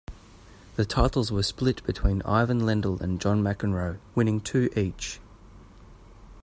The titles were split between Ivan Lendl and John McEnroe, winning two each.